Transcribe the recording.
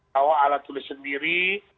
bawa alat tulis sendiri